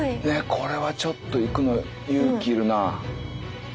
これはちょっと行くの勇気いるな。